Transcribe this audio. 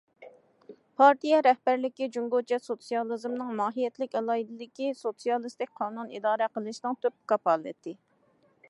پارتىيە رەھبەرلىكى جۇڭگوچە سوتسىيالىزمنىڭ ماھىيەتلىك ئالاھىدىلىكى، سوتسىيالىستىك قانۇن ئىدارە قىلىشنىڭ تۈپ كاپالىتى.